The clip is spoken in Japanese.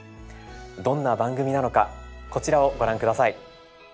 どんな番組なのかこちらをご覧下さい。